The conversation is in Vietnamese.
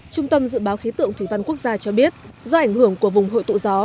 trung tâm dự báo khí tượng thủy văn quốc gia cho biết do ảnh hưởng của vùng hội tụ gió